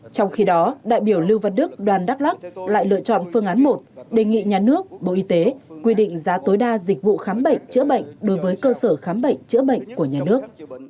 trong khi đó đại biểu lưu văn đức đoàn đắk lắc lại lựa chọn phương án một đề nghị nhà nước bộ y tế quy định giá tối đa dịch vụ khám bệnh chữa bệnh đối với cơ sở khám bệnh chữa bệnh của nhà nước